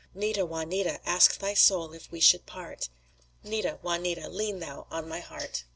Nita, Juanita! Ask thy soul if we should part, Nita, Juanita! Lean thou on my heart!